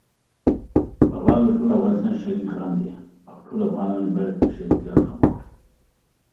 بغلان دټول افغانستان شريک غم دی، او ټول افغانان يې باېد په شريکه غم وخوري